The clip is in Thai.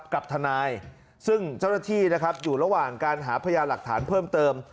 กับทนายซึ่งเจ้าหน้าที่นะครับอยู่ระหว่างการหาพยาหลักฐานเพิ่มเติม